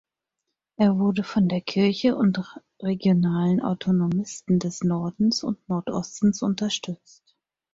Er wurde von der Kirche und regionalen Autonomisten des Nordens und Nordostens unterstützt.